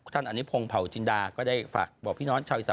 ท่านอนุพงศ์เผาจินดาก็ได้ฝากบอกพี่น้องชาวอีสาน